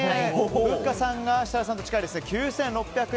ふっかさんが設楽さんと近い９６００円。